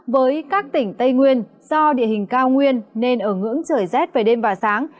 với các tỉnh tây nguyên do địa hình cao nguyên nên ở ngưỡng trời rét về đêm và sáng